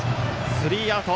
スリーアウト。